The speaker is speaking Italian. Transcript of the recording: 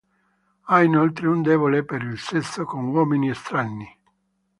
Ha inoltre un debole per il sesso con uomini strani.